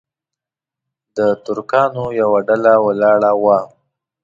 د ترکانو یوه ډله ولاړه وه.